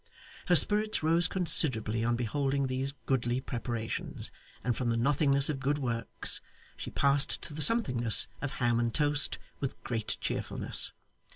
Her spirits rose considerably on beholding these goodly preparations, and from the nothingness of good works, she passed to the somethingness of ham and toast with great cheerfulness.